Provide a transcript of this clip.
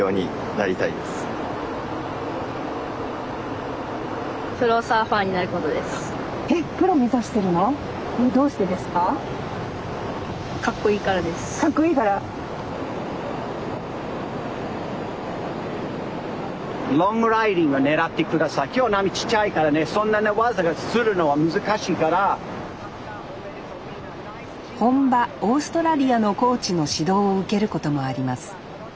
本場オーストラリアのコーチの指導を受けることもあります